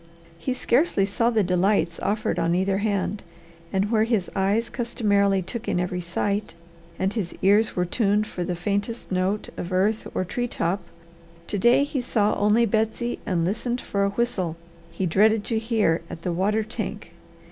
He scarcely saw the delights offered on either hand, and where his eyes customarily took in every sight, and his ears were tuned for the faintest note of earth or tree top, to day he saw only Betsy and listened for a whistle he dreaded to hear at the water tank.